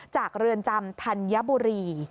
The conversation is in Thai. เรือนจำธัญบุรี